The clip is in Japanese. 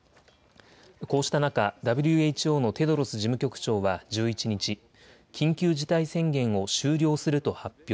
こうした中、ＷＨＯのテドロス事務局長は１１日、緊急事態宣言を終了すると発表。